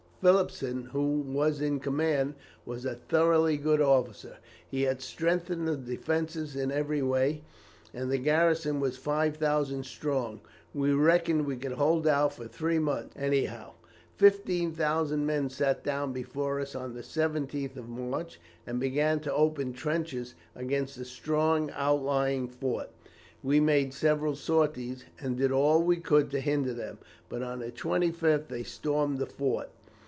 Phillipson, who was in command, was a thoroughly good officer. He had strengthened the defences in every way, and the garrison was 5000 strong. We reckoned we could hold out for three months anyhow. 15,000 men sat down before us on the 17th of March, and began to open trenches against a strong outlying fort. We made several sorties, and did all we could to hinder them, but on the 25th they stormed the fort.